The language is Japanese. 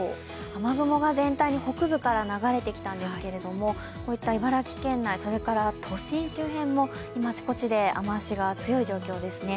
雨雲が全体に北部から流れてきたんですけどもこういった茨城県内、それから都心周辺も今、あちこちで雨足が強い状況ですね。